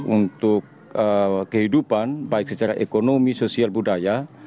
untuk kehidupan baik secara ekonomi sosial budaya